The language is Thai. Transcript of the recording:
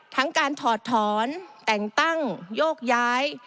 ทั้งการถอดถอนแต่งตั้งโยกย้าย